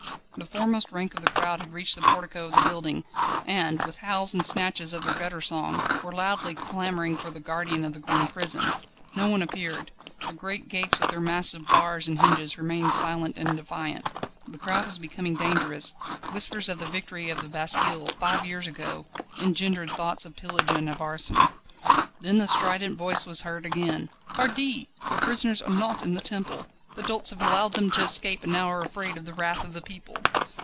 The foremost rank of the crowd had reached the portico of the building, and, with howls and snatches of their gutter song, were loudly clamouring for the guardian of the grim prison. No one appeared; the great gates with their massive bars and hinges remained silent and defiant. The crowd was becoming dangerous: whispers of the victory of the Bastille, five years ago, engendered thoughts of pillage and of arson. Then the strident voice was heard again: "Pardi! the prisoners are not in the Temple! The dolts have allowed them to escape, and now are afraid of the wrath of the people!"